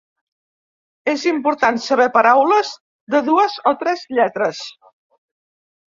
És important saber paraules de dues o tres lletres.